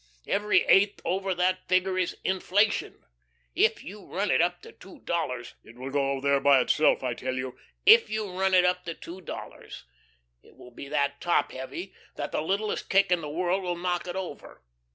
Every eighth over that figure is inflation. If you run it up to two dollars " "It will go there of itself, I tell you." " if you run it up to two dollars, it will be that top heavy, that the littlest kick in the world will knock it over.